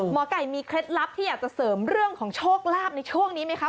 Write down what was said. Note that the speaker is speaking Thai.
หมอไก่มีเคล็ดลับที่อยากจะเสริมเรื่องของโชคลาภในช่วงนี้ไหมคะ